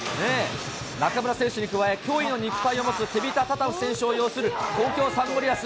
中村選手に加え、驚異の肉体を持つテビタタタフ選手を擁する東京サンゴリアス。